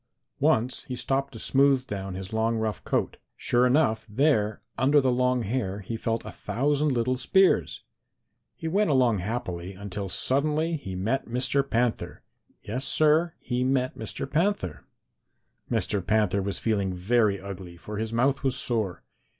Once he stopped to smooth down his long, rough coat. Sure enough, there, under the long hair, he felt a thousand little spears. He went along happily until suddenly he met Mr. Panther. Yes, Sir, he met Mr. Panther. "Mr. Panther was feeling very ugly, for his mouth was sore.